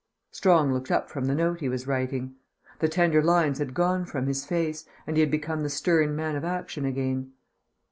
Strong looked up from the note he was writing. The tender lines had gone from his face, and he had become the stern man of action again.